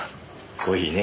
コーヒーね。